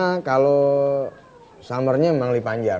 disana kalo summernya memang lebih panjang